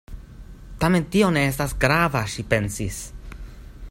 "Tamen tio ne esta grava," ŝi pensis.